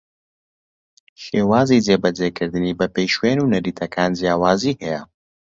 شێوازی جێبەجێکردنی بەپێی شوێن و نەریتەکان جیاوازی ھەیە